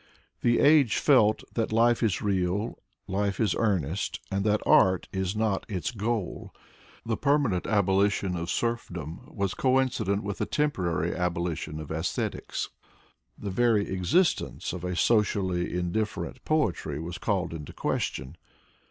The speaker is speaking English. The age felt that life is real, life is earnest, and that art is not its goal. The permanent abolition of serf dom was coincident with the temporary abolition of aesthetics. The very existence of a socially indifferent poetry was called into question.